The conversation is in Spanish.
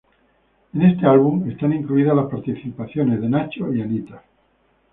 En este álbum, están incluidas las participaciones de Nacho y Anitta.